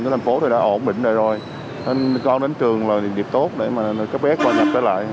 cái thành phố thì đã ổn định rồi nên con đến trường là điệp tốt để mà các bé qua nhập lại